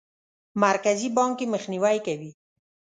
مرکزي بانک یې مخنیوی کوي.